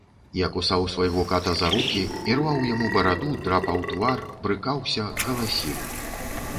Я кусаў свайго ката за рукі, ірваў яму бараду, драпаў твар, брыкаўся, галасіў.